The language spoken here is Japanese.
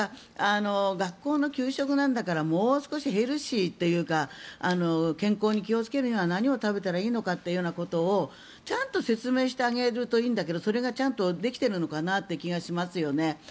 学校の給食なんだからもう少しヘルシーというか健康に気をつけるには何を食べたらいいのかというようなことをちゃんと説明してあげると委員だけどそれがちゃんとできてるのかなって気がしますよね。